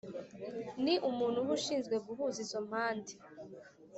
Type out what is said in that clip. Ni umuntu uba ushinzwe guhuza izo mpande